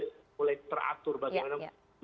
mulai teratur bagaimana